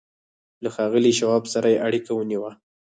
له ښاغلي شواب سره یې اړیکه ونیوه